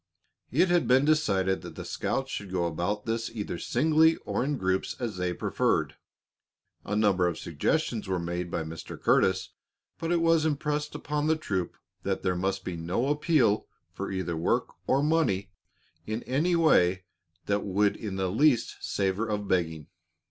It had been decided that the scouts should go about this either singly or in groups, as they preferred. A number of suggestions were made by Mr. Curtis, but it was impressed upon the troop that there must be no appeal for either work or money in any way that would in the least savor of begging.